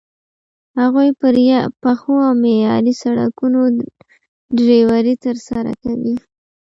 هغوی پر پخو او معیاري سړکونو ډریوري ترسره کوي.